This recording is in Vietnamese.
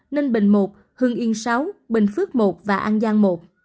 ninh bình một hương yên sáu bình phước một và an giang i